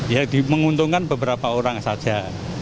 ya menguntungkan beberapa orang saja